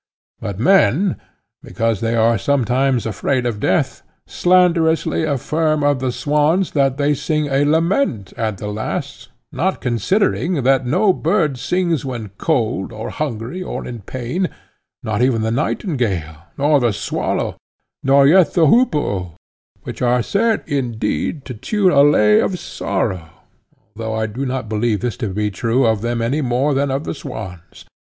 But men, because they are themselves afraid of death, slanderously affirm of the swans that they sing a lament at the last, not considering that no bird sings when cold, or hungry, or in pain, not even the nightingale, nor the swallow, nor yet the hoopoe; which are said indeed to tune a lay of sorrow, although I do not believe this to be true of them any more than of the swans.